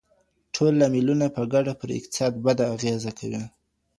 ټول لاملونه په ګډه پر اقتصاد بده اغېزه کوي.